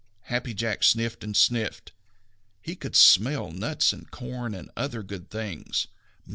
Happy Jack sniffed and sniffed. He could smell nuts and corn and other good things.